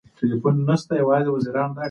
د کوټې ور د چا لخوا په لغته ووهل شو؟